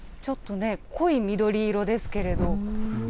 ちょっとね、濃い緑色ですけれど。